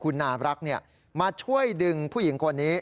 คุณนารักษ์มาช่วยดึงผู้หญิงคนนี้